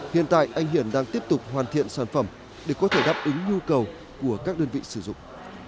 hiện tại anh hiển đang tiếp tục hoàn thiện sản phẩm để có thể đáp ứng nhu cầu của các đơn vị sử dụng